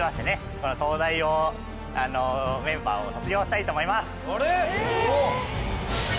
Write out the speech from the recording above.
この東大王メンバーを卒業したいと思います・あれ？